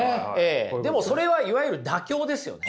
でもそれはいわゆる妥協ですよね。